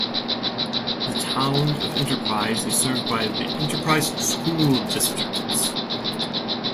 The town of Enterprise is served by the Enterprise School District.